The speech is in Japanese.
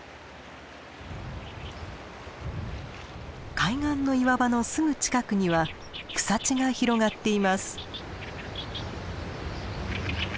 海岸の岩場のすぐ近くには草地が広がっています。